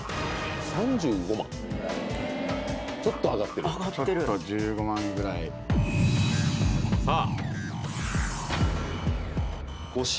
３５万はいちょっと上がってるちょっと１５万ぐらいさあ！